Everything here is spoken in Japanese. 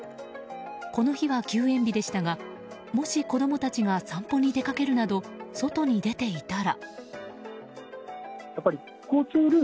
この日は休園日でしたがもし子供たちが散歩に出かけるなど外に出ていたら。